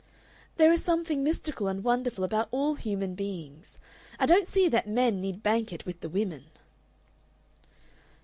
"There is something mystical and wonderful about all human beings. I don't see that men need bank it with the women."